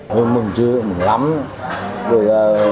mình mừng chứ mình mừng lắm